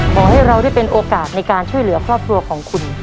ขอให้เราได้เป็นโอกาสในการช่วยเหลือครอบครัวของคุณ